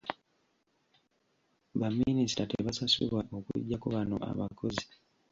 Baminisita tebasasulwa okuggyako bano abakozi.